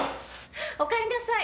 おかえりなさい。